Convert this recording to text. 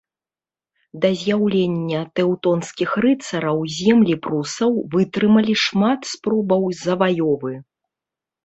Да з'яўлення тэўтонскіх рыцараў землі прусаў вытрымалі шмат спробаў заваёвы.